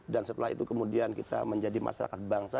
dan setelah itu kemudian kita menjadi masyarakat bangsa